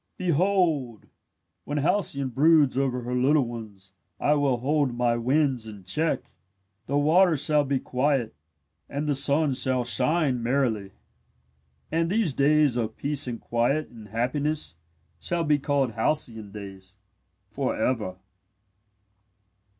"Behold, when Halcyone broods over her little ones I will hold my winds in check. The waters shall be quiet and the sun shall shine merrily. "And these days of peace and quiet and happiness shall be called 'halcyon days,' for ever."